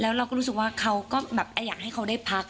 แล้วเราก็รู้สึกว่าเขาก็แบบอยากให้เขาได้พัก